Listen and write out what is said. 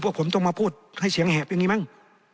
ผมต้องมาพูดให้เสียงแหบอย่างนี้มั้ง